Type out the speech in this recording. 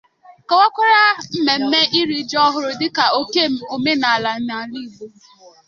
kọwàrà mmemme iri ji ọhụrụ dịka oke omenala n'ala Igbo